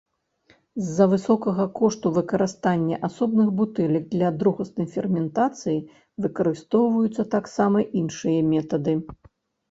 З-за высокага кошту выкарыстання асобных бутэлек для другаснай ферментацыі, выкарыстоўваюцца таксама іншыя метады.